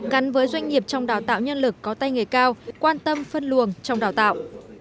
gắn với doanh nghiệp trong đào tạo nhân lực có tay nghề cao quan tâm phân luồng trong đào tạo